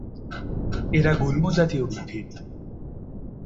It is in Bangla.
এরা গুল্মজাতীয় উদ্ভিদ।